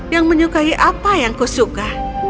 yang menyukai apa yang kusuka